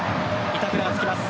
板倉がつきます。